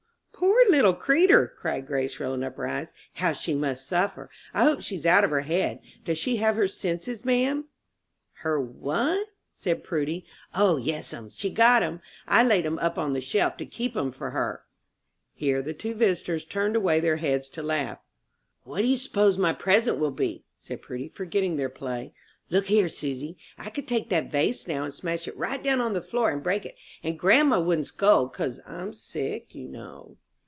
"Poor little creeter!" cried Grace, rolling up her eyes, "how she must suffer! I hope she's out of her head. Does she have her senses, ma'am?" "Her what?" said Prudy. "O, yes'm, she's got 'em. I laid 'em up on the shelf, to keep 'em for her." Here the two visitors turned away their heads to laugh. "What do you s'pose my present will be?" said Prudy, forgetting their play. "Look here, Susy, I could take that vase now, and smash it right down on the floor, and break it, and grandma wouldn't scold 'cause I'm sick, you know."